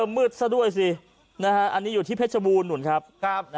มืดซะด้วยสิอันนี้อยู่ที่เพชรบูรณหุ่นครับ